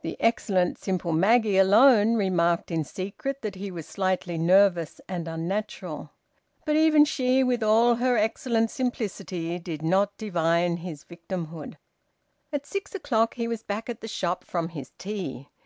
The excellent, simple Maggie alone remarked in secret that he was slightly nervous and unnatural. But even she, with all her excellent simplicity, did not divine his victimhood. At six o'clock he was back at the shop from his tea.